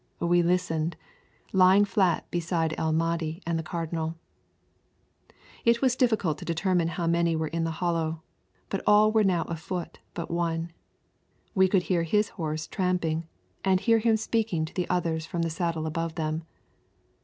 We listened, lying flat beside El Mahdi and the Cardinal. It was difficult to determine how many were in the hollow, but all were now afoot but one. We could hear his horse tramping, and hear him speaking to the others from the saddle above them.